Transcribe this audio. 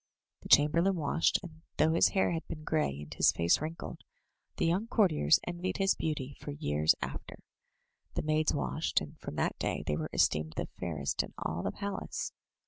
The chamberlain washed — and though his hair had been grey, and his face wrinkled, the young courtiers envied his beauty for years after. The maids washed — and from that day they were esteemed the fairest in all the palace.